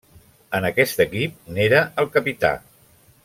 En aquest equip n'era el capità.